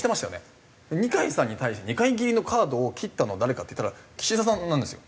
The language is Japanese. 二階さんに対して二階切りのカードを切ったのは誰かっていったら岸田さんなんですよ。